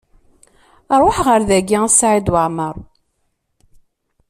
Rwaḥ ɣer dayi a Saɛid Waɛmaṛ!